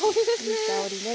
いい香りね。